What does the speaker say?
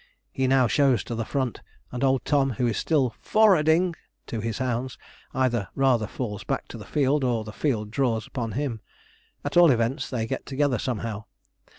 He now shows to the front, and old Tom, who is still 'F o o r rarding' to his hounds, either rather falls back to the field or the field draws upon him. At all events they get together somehow.